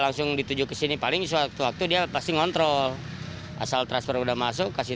langsung dituju ke sini paling sewaktu waktu dia pasti ngontrol asal transfer udah masuk kasih